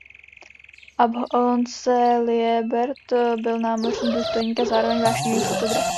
Alphonse Liébert byl námořní důstojník a zároveň vášnivý fotograf.